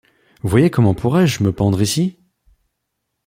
Voyez comment pourrais-je me pendre ici ?